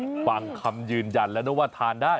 เป็นอย่างไรล่ะฟังคำยืนยันแล้วนึกว่าทานได